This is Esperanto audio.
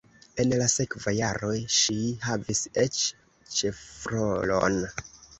En la sekva jaro ŝi havis eĉ ĉefrolon.